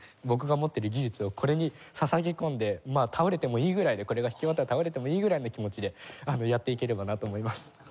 僕が持ってる技術をこれに注ぎ込んでまあ倒れてもいいぐらいでこれが弾き終わったら倒れてもいいぐらいの気持ちでやっていければなと思います。